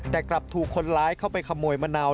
แต่กลับถูกคนร้ายเข้าไปขโมยมะนาว